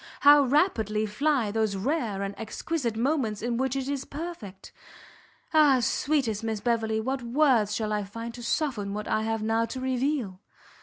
How rapidly fly those rare and exquisite moments in which it is perfect! Ah! sweetest Miss Beverley, what words shall I find to soften what I have now to reveal!